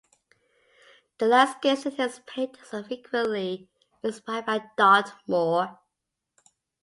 The landscapes in his paintings are frequently inspired by Dartmoor.